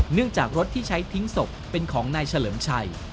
เนื่องจากรถที่ใช้ทิ้งศพเป็นของนายเฉลิมชัย